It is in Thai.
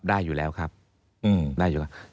ได้อยู่แล้วครับได้อยู่แล้ว